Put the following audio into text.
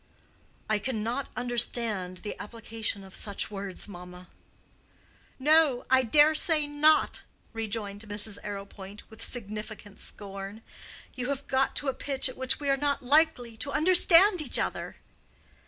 "I cannot understand the application of such words, mamma." "No, I dare say not," rejoined Mrs. Arrowpoint, with significant scorn. "You have got to a pitch at which we are not likely to understand each other."